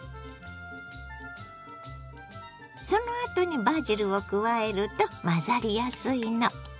そのあとにバジルを加えると混ざりやすいの。